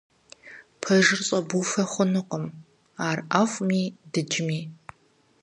Пэжыр щӏэбуфэ хъунукъым, ар ӏэфӏми дыджми.